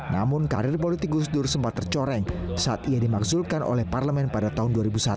namun karir politik gus dur sempat tercoreng saat ia dimaksudkan oleh parlemen pada tahun dua ribu satu